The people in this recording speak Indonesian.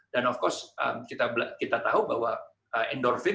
dan tentu saja kita tahu bahwa endorfin